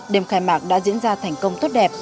đêm khai mạc đã diễn ra thành công tốt đẹp